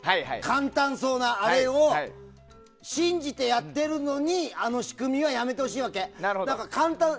簡単そうなあれを信じてやっているのにあの仕組みはやめてほしいわけ。